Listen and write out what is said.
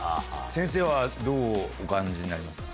先生はどうお感じになりますか？